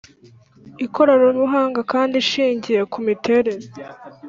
Ikoranabuhanga kandi ishingiye ku miterere